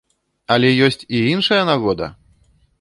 Але ёсць і іншая нагода!